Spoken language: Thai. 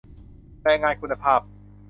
แรงงานคุณภาพ